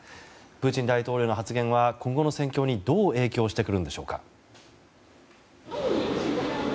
プーチン大統領の発言は今後の戦況にどう影響してくるんでしょうか。